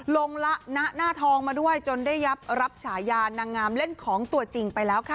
ละณหน้าทองมาด้วยจนได้รับฉายานางงามเล่นของตัวจริงไปแล้วค่ะ